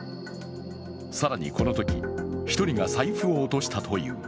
更にこのとき、１人が財布を落としたという。